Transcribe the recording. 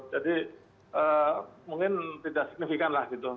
jadi mungkin tidak signifikan lah gitu